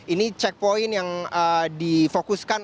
ini checkpoint yang difokuskan